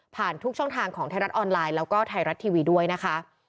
ทุกช่องทางของไทยรัฐออนไลน์แล้วก็ไทยรัฐทีวีด้วยนะคะ